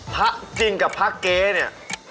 ภาคจริงกับภาคเคเนี่ย